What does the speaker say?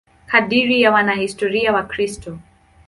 Kadiri ya wanahistoria Wakristo.